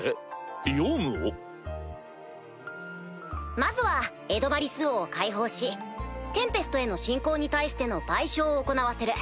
まずはエドマリス王を解放しテンペストへの侵攻に対しての賠償を行わせる。